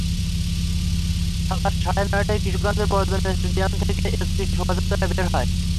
সকাল সাড়ে নয়টায় কিশোরগঞ্জের পুরাতন স্টেডিয়াম থেকে একটি শোভাযাত্রা বের হয়।